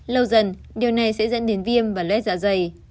lâu dần điều này sẽ dẫn đến viêm và lết dạ dày